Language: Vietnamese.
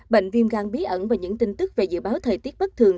bệnh viêm gan bí ẩn và những tin tức về dự báo thời tiết bất thường